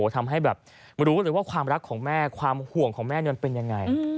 ทำให้แบบรู้เลยว่าความรักของแม่ความห่วงของแม่นั้นเป็นยังไง